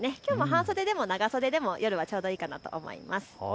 半袖でも長袖でも夜はちょうどいいかなと思います。